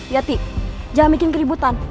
yati jangan bikin keributan